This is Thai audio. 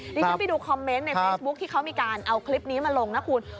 ดิฉันไปดูคอมเมนต์ในเฟซบุ๊คที่เขามีการเอาคลิปนี้มาลงนะคุณ